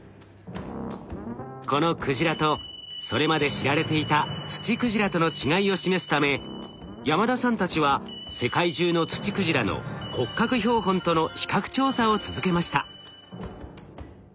このクジラとそれまで知られていたツチクジラとの違いを示すため山田さんたちは世界中のツチクジラの骨格標本との比較調査を続けました。